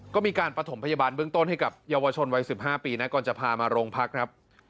ก็มีการประถมพยาบาลเบื้องต้นให้กับเยาวชนวัย๑๕ปีนะก่อนจะพามาโรงพักครับ